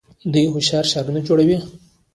دوی هوښیار ښارونه جوړوي.